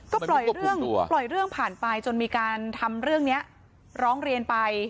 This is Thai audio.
ก็ปล่อยเรื่องปล่อยเรื่องผ่านไปจนมีการทำเรื่องนี้ร้องเรียนไป